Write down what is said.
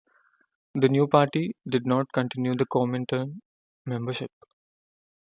The new party did not continue the Comintern membership.